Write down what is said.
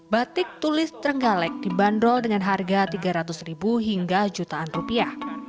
batik tulis trenggalek dibanderol dengan harga tiga ratus ribu hingga jutaan rupiah